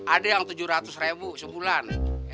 ada yang tujuh ratus ribu sebulan